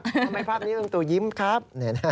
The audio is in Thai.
ทำไมภาพนี้ลงตัวยิ้มครับ